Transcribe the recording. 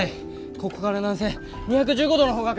ここから南西２１５度の方角。